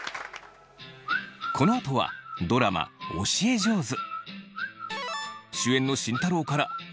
このあとはドラマ「教え上手」。